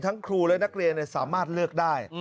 ครูและนักเรียนสามารถเลือกได้